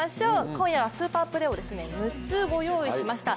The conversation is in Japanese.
今夜はスーパープレーを６つご用意しました。